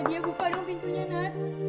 nadia buka dong pintunya nat